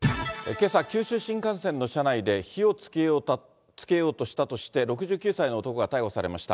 けさ、九州新幹線の車内で、火をつけようとしたとして、６９歳の男が逮捕されました。